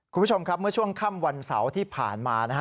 คุณผู้ชมครับเมื่อช่วงค่ำวันเสาร์ที่ผ่านมานะฮะ